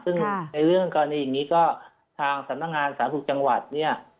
ซึ่งในเรื่องกรณีอย่างนี้ก็ทางสำนักงานสาธารณสุขจังหวัดเนี่ย